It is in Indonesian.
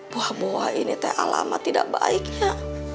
wah buah ini teh alamat tidak baiknya